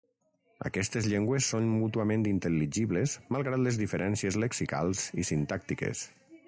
Aquestes llengües són mútuament intel·ligibles malgrat les diferències lexicals i sintàctiques.